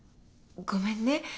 ごめんね。